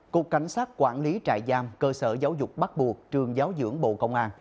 cục cảnh sát quản lý trại giam cơ sở giáo dục bắt buộc trường giáo dưỡng bộ công an